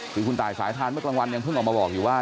คือคุณตายสายทานเมื่อกลางวันยังเพิ่งออกมาบอกอยู่ว่า